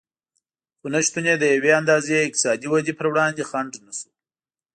خو نشتون یې د یوې اندازې اقتصادي ودې پر وړاندې خنډ نه شو